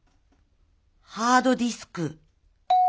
ハードディスク。